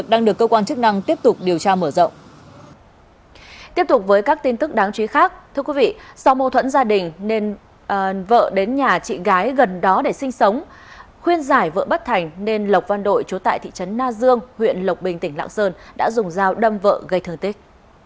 tiếp tục gia đình nên vợ đến nhà chị gái gần đó để sinh sống khuyên giải vợ bất thành nên lộc văn đội chú tại thị trấn na dương huyện lộc bình tỉnh lạng sơn đã dùng dao đâm vợ gây thương tích